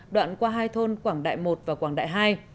đoạn qua hai thôn quảng đại một và quảng đại hai